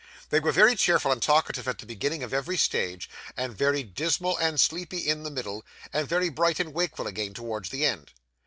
They were very cheerful and talkative at the beginning of every stage, and very dismal and sleepy in the middle, and very bright and wakeful again towards the end.